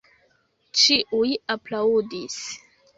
Ĉiuj aplaŭdis.